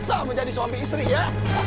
sah menjadi suami istri ya